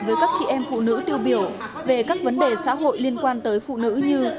với các chị em phụ nữ tiêu biểu về các vấn đề xã hội liên quan tới phụ nữ như